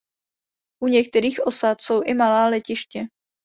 U některých osad jsou i malá letiště.